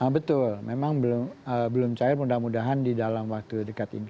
betul memang belum cair mudah mudahan di dalam waktu dekat ini